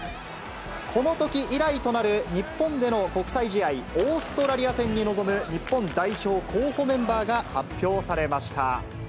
このとき以来となる日本での国際試合、オーストラリア戦に臨む日本代表候補メンバーが発表されました。